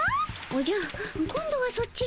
おじゃ今度はそっちとな？